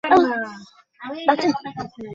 বহুকাল পর, তাই না, ম্যাভ?